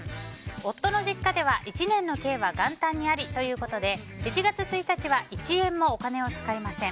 夫の実家では一年の計は元旦にありということで１月１日は１円もお金を使いません。